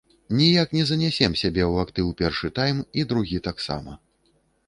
Ніяк не занясем сабе ў актыў першы тайм, і другі таксама.